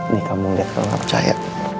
nih kamu liat kalau gak percaya